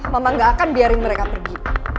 mama gak akan biarin mereka pergi